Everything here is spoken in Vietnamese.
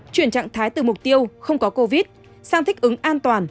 chuyển trạng thái từ mục tiêu không có covid sang thích ứng an toàn